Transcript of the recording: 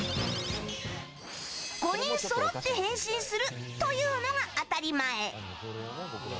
５人そろって変身するというのが当たり前。